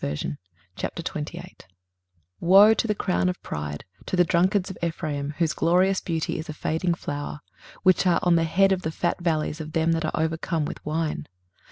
23:028:001 Woe to the crown of pride, to the drunkards of Ephraim, whose glorious beauty is a fading flower, which are on the head of the fat valleys of them that are overcome with wine!